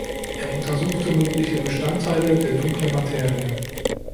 Er untersuchte mögliche Bestandteile der Dunklen Materie.